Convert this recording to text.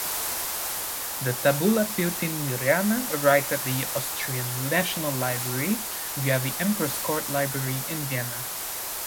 The "Tabula Peutingeriana" arrived at the Austrian National Library via the Emperor's Court Library in Vienna.